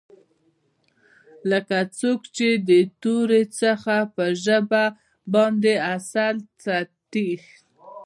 لکه څوک چې د تورې څخه په ژبه باندې عسل څټي.